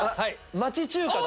町中華だ！